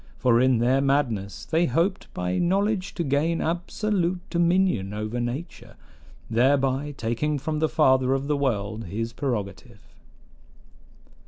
For in their madness they hoped by knowledge to gain absolute dominion over nature, thereby taking from the Father of the world his prerogative.